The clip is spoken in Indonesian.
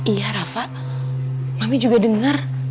iya rafa kami juga dengar